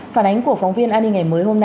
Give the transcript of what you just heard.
phản ánh của phóng viên ani nghày mới